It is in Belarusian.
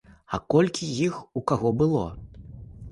А колькі іх у каго было?